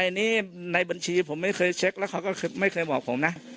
อันนี้ในบัญชีผมไม่เคยเช็คแล้วเขาก็ไม่เคยบอกผมนะ